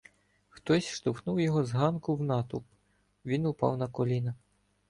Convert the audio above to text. Хтось штовхнув його з ґанку у натовп, він упав на коліна.